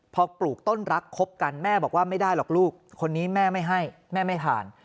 พอปลูกต้นรักคบกันแม่บอกว่าไม่ได้หรอกลูกคนนี้แม่ไม่ให้แม่ไม่ทาน